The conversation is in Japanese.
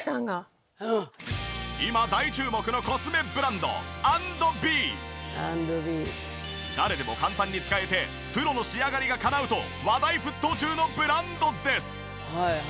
今大注目の誰でも簡単に使えてプロの仕上がりがかなうと話題沸騰中のブランドです。